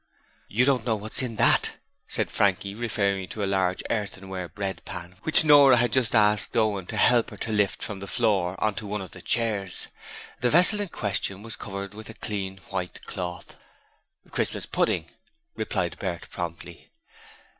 'You don't know what's in that,' said Frankie, referring to a large earthenware bread pan which Nora had just asked Owen to help her to lift from the floor on to one of the chairs. The vessel in question was covered with a clean white cloth. 'Christmas pudding,' replied Bert, promptly.